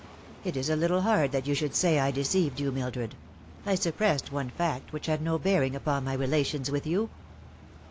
"It is a little hard that you should say I deceived you, Mildred. I suppressed one fact which had no bearing upon my relations with you."